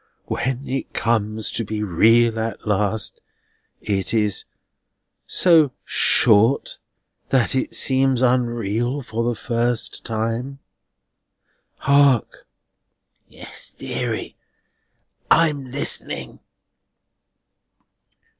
When it comes to be real at last, it is so short that it seems unreal for the first time. Hark!" "Yes, deary. I'm listening."